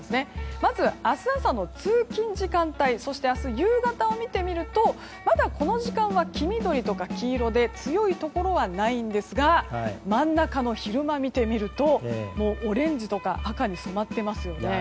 まず、明日朝の通勤時間帯そして明日夕方を見てみるとまだこの時間は黄緑とか黄色で強いところはないんですが真ん中の昼間を見てみるともうオレンジとか赤に染まっていますよね。